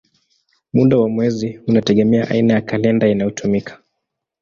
Muda wa mwezi unategemea aina ya kalenda inayotumika.